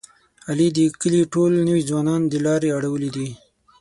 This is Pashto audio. علي د کلي ټول نوی ځوانان د لارې اړولي دي.